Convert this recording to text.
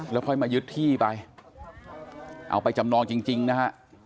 แล้วค่อยมายึดที่ไปเอาไปจำนองจริงนะฮะ